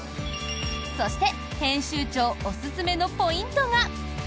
そして編集長おすすめのポイントが。